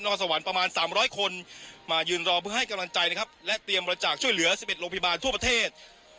สวรรค์ประมาณ๓๐๐คนมายืนรอเพื่อให้กำลังใจนะครับและเตรียมบริจาคช่วยเหลือ๑๑โรงพยาบาลทั่วประเทศ